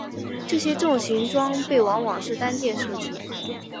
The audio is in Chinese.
这些重型装备往往是单件设计。